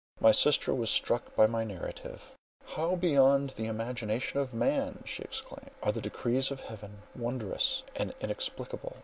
My sister was struck by my narrative: "How beyond the imagination of man," she exclaimed, "are the decrees of heaven, wondrous and inexplicable!"